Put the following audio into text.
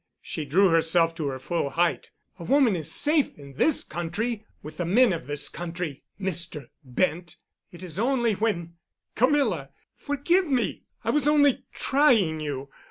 She drew herself to her full height. "A woman is safe in this country—with the men of this country, Mr. Bent. It is only when——" "Camilla! Forgive me. I was only trying you.